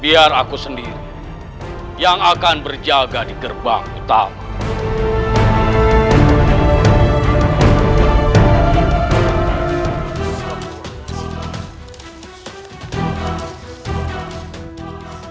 biar aku sendiri yang akan berjaga di gerbang utama